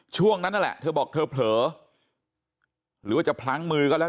ช่วงนั้นนั่นแหละเธอบอกเธอเผลอหรือว่าจะพลั้งมือก็แล้ว